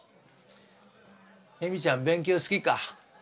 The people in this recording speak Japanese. エミちゃん勉強好きか？